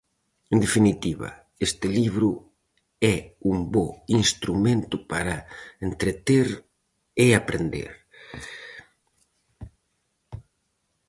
En definitiva, este libro é un bo instrumento para entreter e aprender.